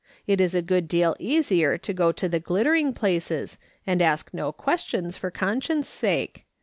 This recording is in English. It is a good deal easier to go to the glittering places, and ask no questions for conscience' sake.